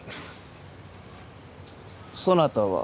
そなたは？